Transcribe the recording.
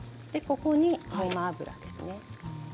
ここにごま油ですね。